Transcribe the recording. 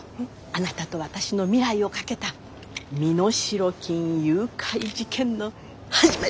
あなたと私の未来を懸けた身代金誘拐事件の始まりよ！